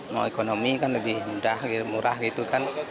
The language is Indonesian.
mau ekonomi kan lebih mudah gitu murah gitu kan